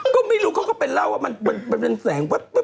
ก็ไม่รู้เขาก็ไปเล่าว่ามันเป็นแสง